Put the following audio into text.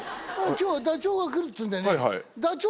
今日はダチョウが来るっつうんでね。